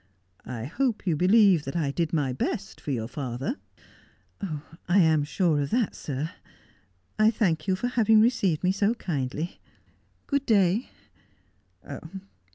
I hope you believe that I did my best for your father.' ' I am sure of that, sir. I thank you for having received me so kindly. Good day.'